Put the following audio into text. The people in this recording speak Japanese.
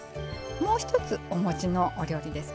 もう一つ、おもちのお料理です。